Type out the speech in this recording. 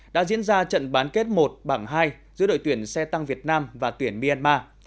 đã diễn ra trận bán kết một bảng hai giữa đội tuyển xe tăng việt nam và tuyển myanmar